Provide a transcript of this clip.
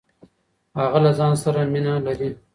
هغه له ځان سره مينه لري.